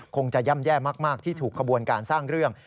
คงจะย่ำแย่มากที่ถูกขบวนการสร้างเรื่อง